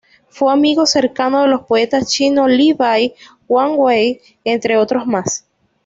Fue amigo cercano de los poetas chinos Li Bai, Wang Wei, entre otros más.